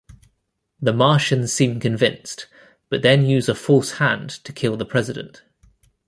The Martians seem convinced, but then use a false hand to kill the President.